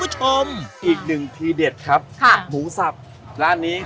ใช่ค่ะเดร่าจะให้ลูกชายนะคะ